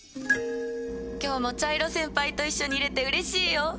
今日も茶色先輩と一緒にいれてうれしいよ。